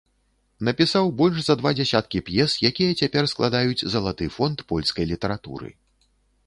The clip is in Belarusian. Напісаў больш за два дзясяткі п'ес, якія цяпер складаюць залаты фонд польскай літаратуры.